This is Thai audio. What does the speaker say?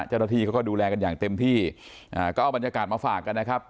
เจ้าหน้าที่เขาก็ดูแลกันอย่างเต็มที่ก็เอาบรรยากาศมาฝากกันนะครับ